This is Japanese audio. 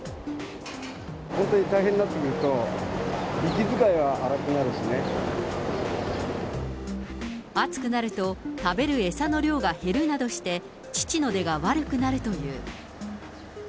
本当に大変になってくると、暑くなると、食べる餌の量が減るなどして、乳の出が悪くなるという。